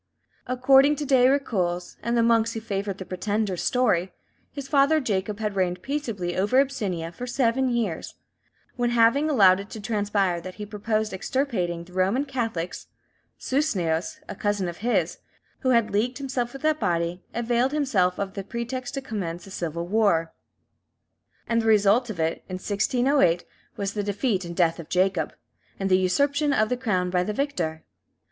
According to De Rocoles, and the monks who favoured the pretender's story, his father Jacob had reigned peaceably over Abyssinia for seven years, when, having allowed it to transpire that he proposed extirpating the Roman Catholics, Susneos, a cousin of his, who had leagued himself with that body, availed himself of the pretext to commence a civil war; and the result of it, in 1608, was the defeat and death of Jacob, and the usurpation of the crown by the victor.